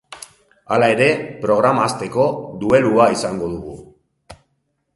Hala ere, programa hasteko, duelua izango dugu.